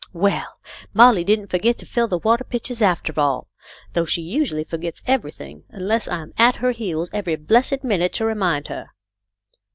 Well. Molly didn't forget to fill the water pitcher, after all, though she usually forgets everything, un less I'm at her heels every blessed minute to remind her."